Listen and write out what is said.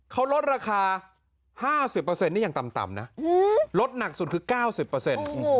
เขาลดราคา๕๐นี่ยังต่ำนะลดหนักสุดคือ๙๐